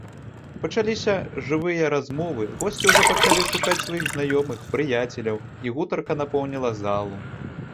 Пачаліся жвавыя размовы, госці ўжо пачалі шукаць сваіх знаёмых, прыяцеляў, і гутарка напоўніла залу.